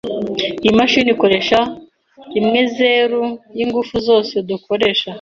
Iyi mashini ikoresha rimwezeru% yingufu zose dukoresha.